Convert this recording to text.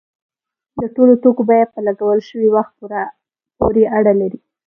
د ټولو توکو بیه په لګول شوي وخت پورې اړه لري.